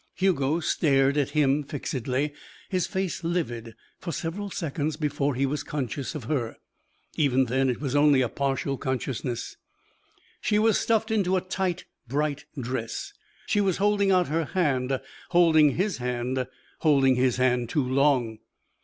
Hugo stared at him fixedly, his face livid, for several seconds before he was conscious of her. Even then it was only a partial consciousness. She was stuffed into a tight, bright dress. She was holding out her hand, holding his hand, holding his hand too long.